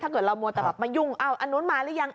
เกิดเรามัวแต่แบบมายุ่งอันนู้นมาหรือยัง